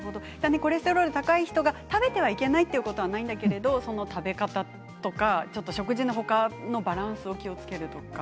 コレステロールが高い人が食べてはいけないいうことはないんだけれども食べ方とか食事の他のバランスを気をつけるとか。